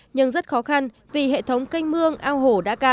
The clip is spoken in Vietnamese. nhưng rất khó khăn vì hệ thống canh mương ao hổ đã cạn